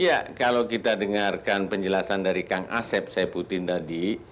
ya kalau kita dengarkan penjelasan dari kang asep saiputin tadi